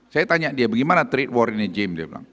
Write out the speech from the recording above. saya tanya dia bagaimana trade war ini jim